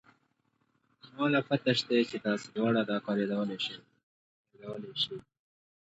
ما له پته شتې چې تاسې دواړه دا کار يادولې شې.